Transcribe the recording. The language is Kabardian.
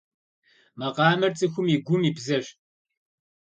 Макъамэр цӏыхум и гум и бзэщ.